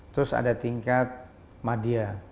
terus ada tingkat madia